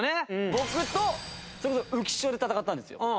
僕とそれこそ浮所で戦ったんですよ。